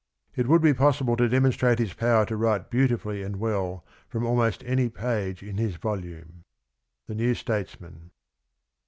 117 " It would be possible to demonstrate his power to write beautifully and well from almost any page in his volume." —The New Statesman.